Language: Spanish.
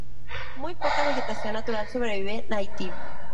Muy poca vegetación natural sobrevive en Haití.